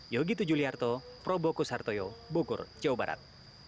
saya pak kusarto bukur jawa barat